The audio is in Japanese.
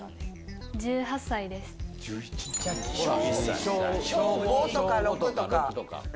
じゃあ小５とか６とか。